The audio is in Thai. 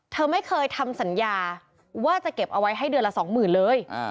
เธอไม่เคยทำสัญญาว่าจะเก็บเอาไว้ให้เดือนละสองหมื่นเลย